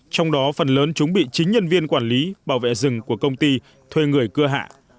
trong đó phần lớn chúng bị chính nhân viên quản lý bảo vệ rừng của công ty thuê người cưa hạ